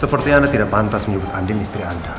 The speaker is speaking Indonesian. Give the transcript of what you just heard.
sepertinya anda tidak pantas menyebut andin istri anda